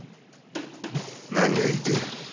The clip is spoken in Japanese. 何が言いてえ？